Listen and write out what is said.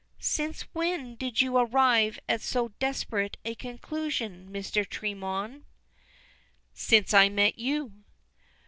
"Since when did you arrive at so desperate a conclusion, Mr. Tremorne?" "Since I met you."